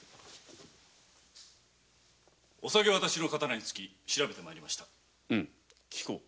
お下げ渡しの刀につき調べて参りました。